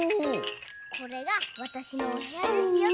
これがわたしのおへやですよって